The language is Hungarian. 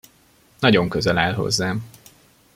Nagyon közel áll hozzám.